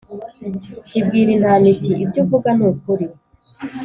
ibwira intama iti «ibyo uvuga ni ukuri,